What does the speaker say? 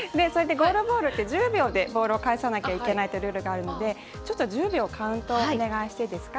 ゴールボールって１０秒でボールを返さなきゃいけないというルールがあるのでちょっと１０秒カウントをお願いしていいですか。